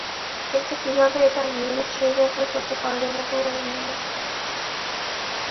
কিন্তু কীভাবে এটা মিলল, সেই ব্যাখ্যা করতে পারলেন না তরুণ ভেনেজিয়ানো।